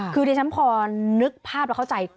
คือที่ฉันพอนึกภาพแล้วเข้าใจ